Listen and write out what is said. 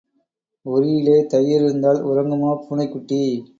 உறியிலே தயிர் இருந்தால் உறங்குமோ பூனைக்குட்டி?